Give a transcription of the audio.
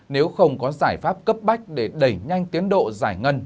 nếu không có giải pháp cấp bách để đẩy nhanh tiến độ giải ngân